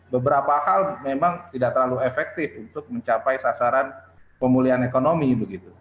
beberapa hal memang tidak terlalu efektif untuk mencapai sasaran pemulihan ekonomi begitu